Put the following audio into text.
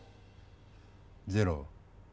ゼロ。